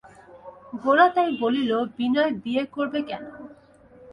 গোরা তাই বলিল, বিনয় বিয়ে করবে কেন?